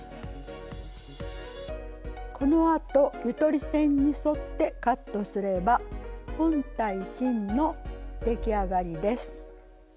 このあとゆとり線に沿ってカットすれば本体芯の出来上がりです。